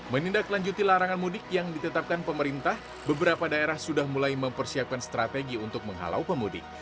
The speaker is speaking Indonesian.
menindaklanjuti larangan mudik yang ditetapkan pemerintah beberapa daerah sudah mulai mempersiapkan strategi untuk menghalau pemudik